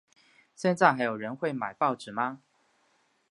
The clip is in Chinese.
现在还有人会买报纸吗？